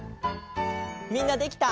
みんなできた？